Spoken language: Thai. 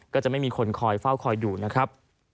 ก็จะไม่มีคนคอยเฝ้าคอยดูนะครับ